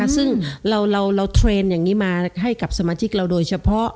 ซึ่งเราเทรนด์อย่างนี้มาให้กับสมาชิกเราโดยเฉพาะ